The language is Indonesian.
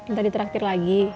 ntar ditraktir lagi